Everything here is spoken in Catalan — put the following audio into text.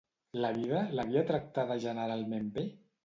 La vida l'havia tractada generalment bé?